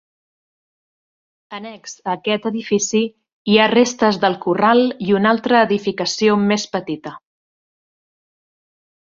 Annex a aquest edifici hi ha restes del corral i una altra edificació més petita.